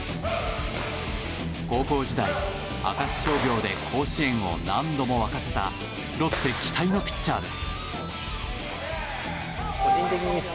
高校時代、明石商業で甲子園を何度も沸かせたロッテ期待のピッチャーです。